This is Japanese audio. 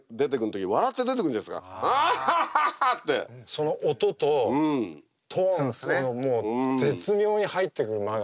その音とトーン絶妙に入ってくる間が。